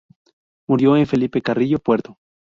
Murió en Felipe Carrillo Puerto.